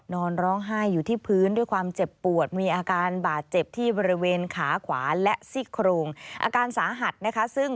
นอนร้องไห้อยู่ที่พื้นด้วยความเจ็บปวดมีอาการบาดเจ็บที่บริเวณขาขวาและซี่โครงอาการสาหัสนะคะ